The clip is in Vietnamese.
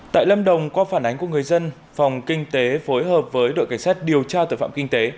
tại lâm đồng qua phản ánh của người dân phòng kinh tế phối hợp với đội cảnh sát điều tra tội phạm kinh tế